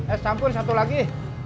es campur satu lagi